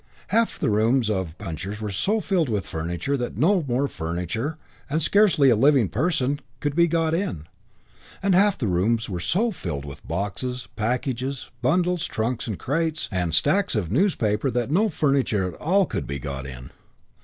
Half the rooms of Puncher's were so filled with furniture that no more furniture, and scarcely a living person, could be got in; and half the rooms were so filled with boxes, packages, bundles, trunks, crates, and stacks of newspapers that no furniture at all could be got in.